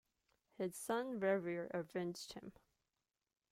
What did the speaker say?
His son Rerir avenged him.